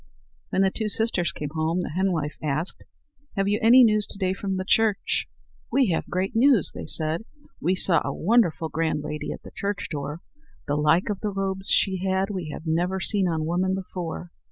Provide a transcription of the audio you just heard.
When the two sisters came home the henwife asked: "Have you any news to day from the church?" "We have great news," said they. "We saw a wonderful grand lady at the church door. The like of the robes she had we have never seen on woman before.